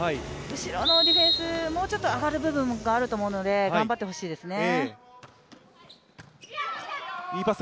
後ろのディフェンス、もうちょっと上がる部分があると思うので、頑張ってほしいですね。